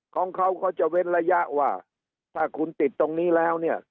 ของเขาก็จะเว้นระยะว่าถ้าคุณติดตรงนี้แล้วเนี่ย